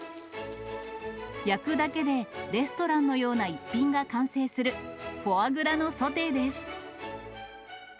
焼くだけでレストランのような逸品が完成するフォアグラのソテーです。